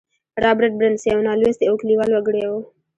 رابرټ برنس یو نالوستی او کلیوال وګړی و